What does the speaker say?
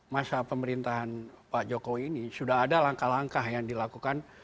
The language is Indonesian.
masa pemerintahan pak jokowi ini sudah ada langkah langkah yang dilakukan